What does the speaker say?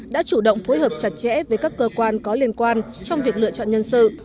đã chủ động phối hợp chặt chẽ với các cơ quan có liên quan trong việc lựa chọn nhân sự